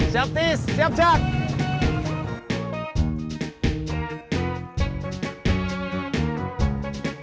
siap tis siap cak